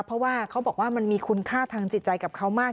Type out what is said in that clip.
เพราะว่าเขาบอกว่ามันมีคุณค่าทางจิตใจกับเขามาก